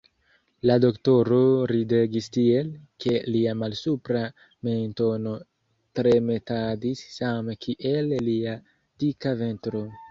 La doktoro ridegis tiel, ke lia malsupra mentono tremetadis same kiel lia dika ventro.